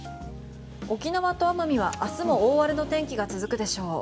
沖縄と奄美は明日も大荒れの天気が続くでしょう。